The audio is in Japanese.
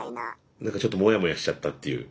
何かちょっともやもやしちゃったっていう。